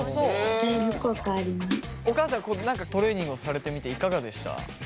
お母さんトレーニングをされてみていかがでした？